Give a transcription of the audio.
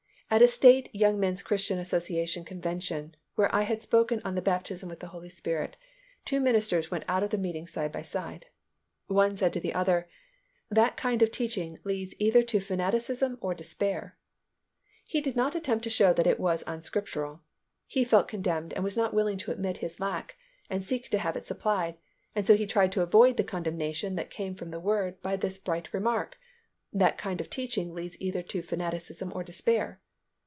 At a state Young Men's Christian Association Convention, where I had spoken on the Baptism with the Holy Spirit, two ministers went out of the meeting side by side. One said to the other, "That kind of teaching leads either to fanaticism or despair." He did not attempt to show that it was unscriptural. He felt condemned and was not willing to admit his lack and seek to have it supplied, and so he tried to avoid the condemnation that came from the Word by this bright remark, "that kind of teaching leads either to fanaticism or despair."